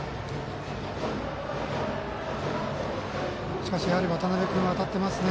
しかし、渡邊君は当たっていますね。